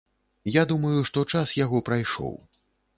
Я думаю, што час яго прайшоў.